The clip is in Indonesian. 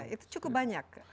itu cukup banyak